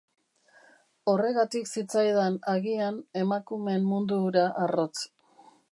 Horregatik zitzaidan, agian, emakumeen mundu hura arrotz.